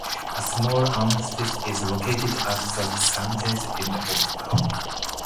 A small amphitheatre is located at the southern end of the park.